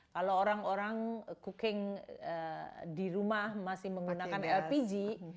kalau orang orang cooking di rumah masih menggunakan lpg